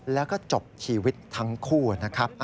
แล้วก็จบชีวิตทั้งคู่นะครับ